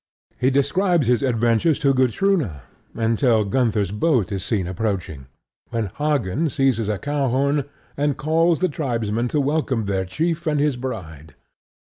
He describes his adventures to Gutrune until Gunther's boat is seen approaching, when Hagen seizes a cowhorn and calls the tribesmen to welcome their chief and his bride.